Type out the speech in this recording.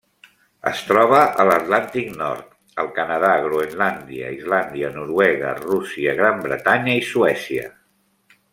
Es troba a l'Atlàntic nord: el Canadà, Groenlàndia, Islàndia, Noruega, Rússia, Gran Bretanya i Suècia.